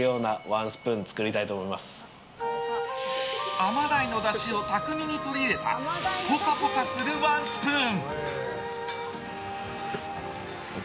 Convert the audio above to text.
アマダイのだしを巧みに取り入れたポカポカするワンスプーン。